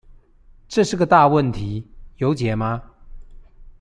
這是個大問題，有解嗎？